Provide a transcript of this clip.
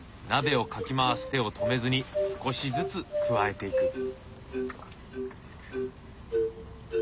鍋をかき回す手を止めずに少しずつ加えていく。